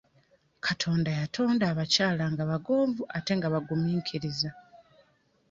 Katonda yatonda abakyala nga bagonvu ate nga bagumiikiriza.